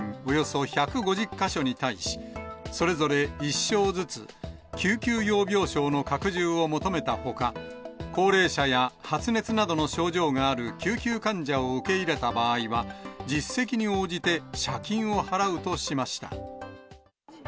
およそ１５０か所に対し、それぞれ１床ずつ、救急用病床の拡充を求めたほか、高齢者や発熱などの症状がある救急患者を受け入れた場合は、実績に応じて謝金を払うとしました。